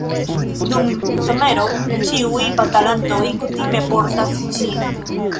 Dum somero ĉiuj batalantoj kutime portas ĝin.